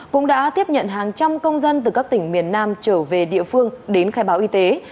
cũng đã tiếp nhận hàng trăm công dân từ các tỉnh miền nam trở về địa phương đến khai báo y tế